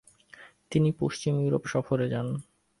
তিনি পশ্চিম ইউরোপ সফরে যান।